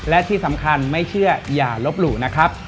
และที่สำคัญไม่เชื่ออย่าลบหลู่นะครับ